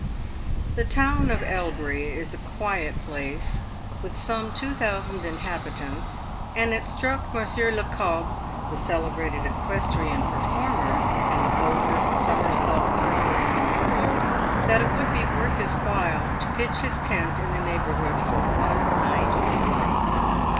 The town of Elbury is a quiet place, with some two thousand in habitants, and it struck Monsieur Le Cobbe, the celebrated equestrian performer, and the boldest somersault thrower in the world, that it would be worth his while to pitch his tent in the neighbourhood for one night only.